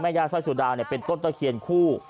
แม่งหญ้าซ่อยสาวดาวเป็นต้นแตะเขียนคู่